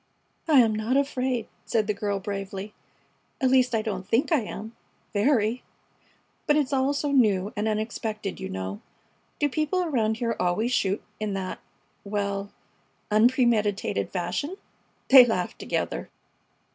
"I am not afraid!" said the girl, bravely. "At least, I don't think I am very! But it's all so new and unexpected, you know. Do people around here always shoot in that well unpremeditated fashion?" They laughed together.